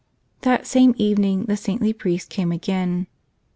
That same evening the saintly priest came again.